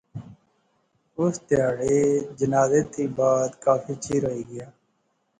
اس تہاڑے جنازے تھی بعد کافی چیر ہوئی گیا